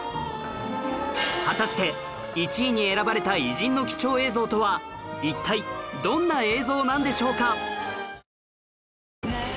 果たして１位に選ばれた偉人の貴重映像とは一体どんな映像なんでしょうか？